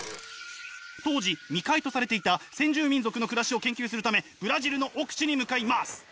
当時未開とされていた先住民族の暮らしを研究するためブラジルの奥地に向かいます！